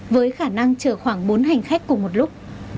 với khả năng chở khoảng bốn hành khách cùng một lúc